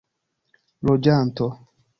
loĝanto